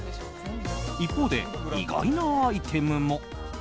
一方で意外なアイテムも。